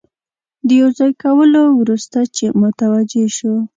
د یو ځای کولو وروسته چې متوجه شو.